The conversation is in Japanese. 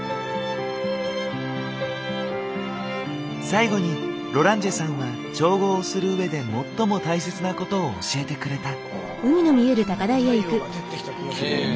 最後にロランジェさんは調合をするうえで最も大切なことを教えてくれた。